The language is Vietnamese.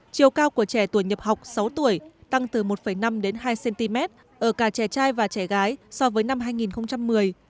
chiều cao của trẻ tuổi nhập học sáu tuổi tăng từ một năm đến hai cm ở cả trẻ trai và trẻ gái so với năm hai nghìn một mươi